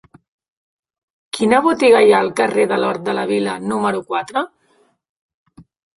Quina botiga hi ha al carrer de l'Hort de la Vila número quatre?